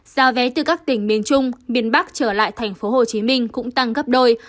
giá vé từ các tỉnh miền trung miền bắc trở lại tp hcm cũng tăng gấp đôi